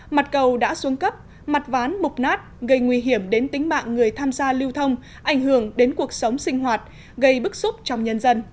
mặt cầu đã xuống cấp mặt ván mục nát gây nguy hiểm đến tính mạng người tham gia lưu thông ảnh hưởng đến cuộc sống sinh hoạt gây bức xúc trong nhân dân